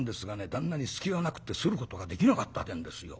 旦那に隙がなくってすることができなかったってえんですよ」。